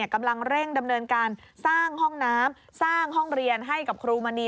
กำลังเร่งดำเนินการสร้างห้องน้ำสร้างห้องเรียนให้กับครูมณี